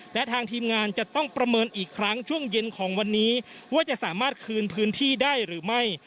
และทางทีมงานจะต้องประเมินอีกครั้งช่วงเย็นของวันนี้ว่าจะสามารถคืนพื้นที่ได้หรือไม่